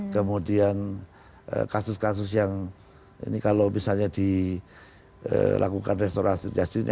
kemudian kasus kasus yang ini kalau misalnya dilakukan restorasi justice